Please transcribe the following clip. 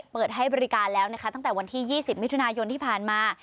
เปิดให้บริการแล้วนะคะตั้งแต่วันที่๒๐มิถุนายนที่ผ่านมา